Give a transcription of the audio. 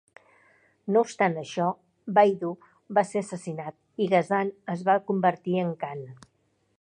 No obstant això, Baidu va ser assassinat i Ghazan es va convertir en khan.